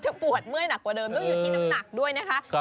ปวดเมื่อยหนักกว่าเดิมต้องอยู่ที่น้ำหนักด้วยนะคะ